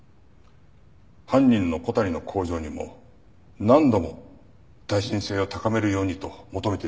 犯人の小谷の工場にも何度も耐震性を高めるようにと求めていたそうです。